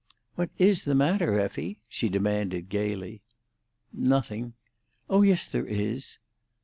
"What is the matter, Effie?" she demanded gaily. "Nothing." "Oh yes, there is."